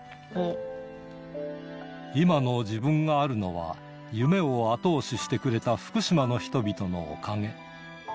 今の自分があるのは、夢を後押ししてくれた福島の人々のおかげ。